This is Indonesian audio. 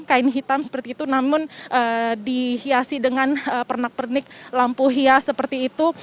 kain hitam seperti itu namun dihiasi dengan pernak pernik lampu hias seperti itu